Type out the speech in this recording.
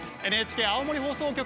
ＮＨＫ青森放送局